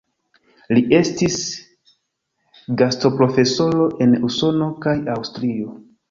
Li estis gastoprofesoro en Usono kaj Aŭstrio.